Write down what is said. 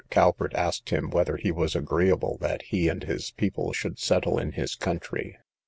Calvert asked him, whether he was agreeable that he and his people should settle in his country.